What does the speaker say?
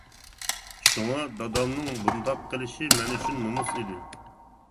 شۇڭا دادامنىڭ بۇنداق قىلىشى مەن ئۈچۈن نومۇس ئىدى.